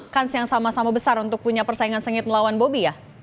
kans yang sama sama besar untuk punya persaingan sengit melawan bobi ya